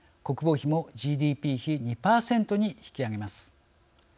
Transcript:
国防費もＧＤＰ比２％に引き上げます。